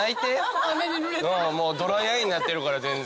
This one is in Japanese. ドライアイになってるから全然。